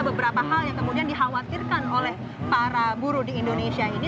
beberapa hal yang kemudian dikhawatirkan oleh para buruh di indonesia ini